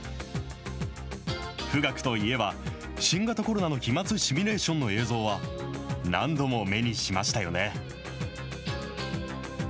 富岳といえば、新型コロナの飛まつシミュレーションの映像は、何度も目にしましたよね。